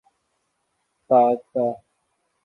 تائتا